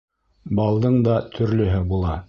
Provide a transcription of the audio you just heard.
Балдың датөрлөһө була